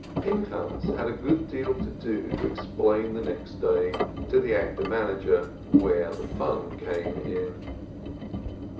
Pinchas had a good deal to do to explain the next day to the actor manager where the fun came in.